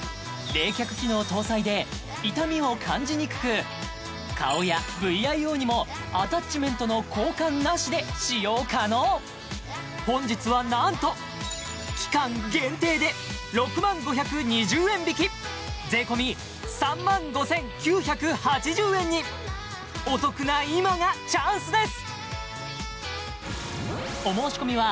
有名顔やＶＩＯにもアタッチメントの交換なしで使用可能本日はなんと期間限定で６０５２０円引き税込３５９８０円にお得な今がチャンスです